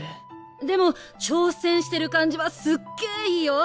でも挑戦してる感じはすっげぇいいよ！